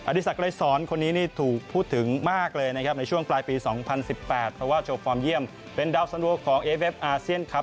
ดีสักรายสอนคนนี้นี่ถูกพูดถึงมากเลยนะครับในช่วงปลายปี๒๐๑๘เพราะว่าโชว์ฟอร์มเยี่ยมเป็นดาวสันโวของเอเวฟอาเซียนครับ